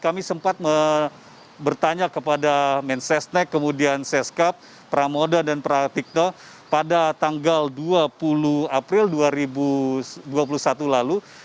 kami sempat bertanya kepada mensesnek kemudian seskap pramoda dan pratikto pada tanggal dua puluh april dua ribu dua puluh satu lalu